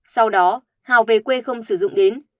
sau đó hào về quê không sử dụng đến